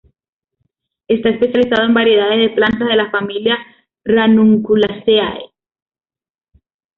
Está especializado en variedades de plantas de la familia Ranunculaceae.